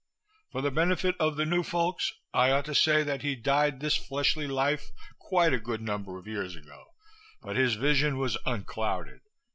For the benefit of the new folks I ought to say that he died this fleshly life quite a good number of years ago, but his vision was unclouded.